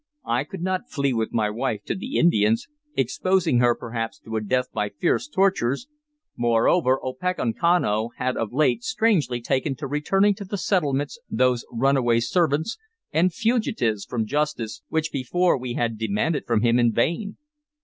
I could not flee with my wife to the Indians, exposing her, perhaps, to a death by fierce tortures; moreover, Opechancanough had of late strangely taken to returning to the settlements those runaway servants and fugitives from justice which before we had demanded from him in vain.